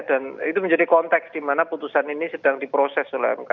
dan itu menjadi konteks dimana putusan ini sedang diproses oleh mk